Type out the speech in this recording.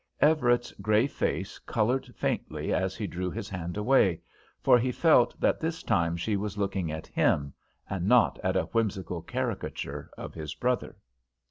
Everett's grey face coloured faintly as he drew his hand away, for he felt that this time she was looking at him, and not at a whimsical caricature of his brother.